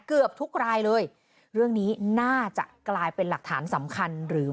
เกือบทุกรายเลยเรื่องนี้น่าจะกลายเป็นหลักฐานสำคัญหรือ